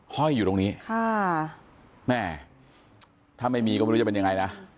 ห้อยอยู่ตรงนี้ค่ะแม่ถ้าไม่มีก็ไม่รู้จะเป็นยังไงนะ